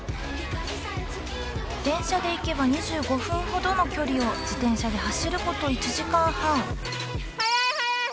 電車で行けば２５分ほどの距離を自転車で走ること１時間半。